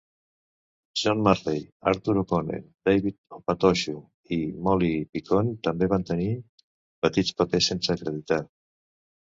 John Marley, Arthur O'Connell, David Opatoshu i Molly Picon també van tenir petits papers sense acreditar.